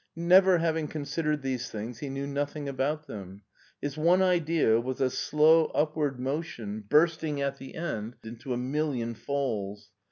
Never having considered these things he knew nothing about them. His one idea was a slow upward motion bursting at the end into a million falls.